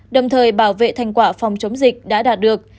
đồng thời bảo vệ thành quả phòng chống dịch đã đạt được